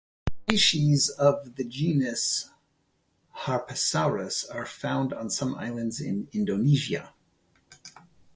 Species of the genus "Harpesaurus" are found on some islands in Indonesia.